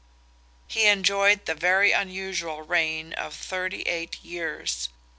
He enjoyed the very unusual reign of thirty eight years.